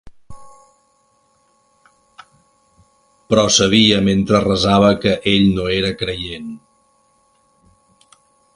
Però sabia mentre resava que ell no era creient.